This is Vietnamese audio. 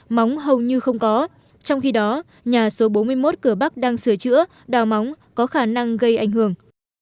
móng hầu như không có trong khi đó nhà số bốn mươi một cửa bắc đang sửa chữa đào móng có khả năng gây ảnh hưởng